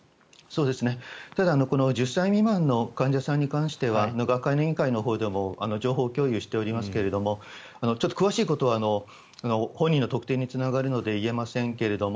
ただ、この１０歳未満の患者さんに関しては学会の委員会のほうでも情報共有していますけれどもちょっと詳しいことは本人の特定につながるので言えませんけれども。